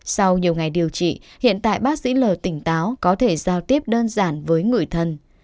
sau nhiều ngày điều trị hiện tại bác sĩ l tỉnh táo có thể giao tiếp đơn giản với người thân